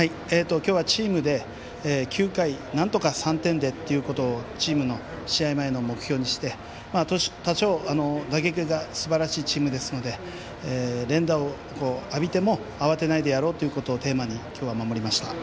今日はチームで９回、なんとか３点でということをチームでの目標にして打撃がすばらしいチームですので連打を浴びても慌てないでやろうということを今日はテーマにやりました。